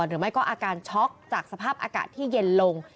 หรือไม่ก็อาการช็อกจากสภาพอากาศที่เย็นลง